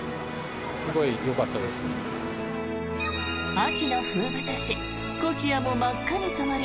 秋の風物詩、コキアも真っ赤に染まり